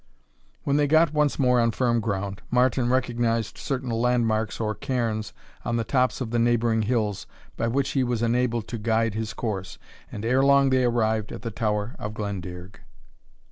When they got once more on firm ground, Martin recognized certain land marks, or cairns, on the tops of the neighbouring hills, by which he was enabled to guide his course, and ere long they arrived at the Tower of Glendearg.